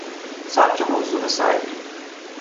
سبک موزون سعدی